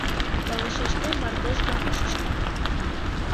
Пылышыштем мардеж гына шӱшка.